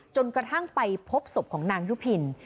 จนกระทั่งไปพบศพของนางยุพิน